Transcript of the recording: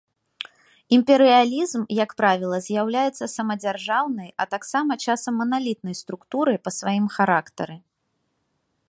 Імперыялізм, як правіла, з'яўляецца самадзяржаўнай, а таксама часам маналітнай структурай па сваім характары.